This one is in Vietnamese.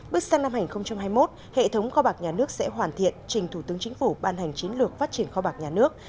bước sang năm hai nghìn hai mươi một hệ thống kho bạc nhà nước sẽ hoàn thiện trình thủ tướng chính phủ ban hành chiến lược phát triển kho bạc nhà nước